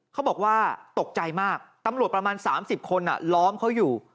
เขาบอกว่าตกใจมากตำรวจประมาณ๓๐คนล้อมเขาอยู่